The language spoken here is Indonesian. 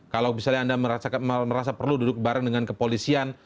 kalau misalnya anda merasa perlu duduk bareng dengan kepolisian